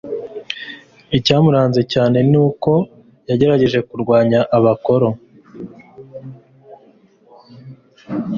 icyamuranze cyane ni uko yagerageje kurwanya abakoro